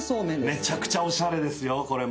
めちゃくちゃおしゃれですよ。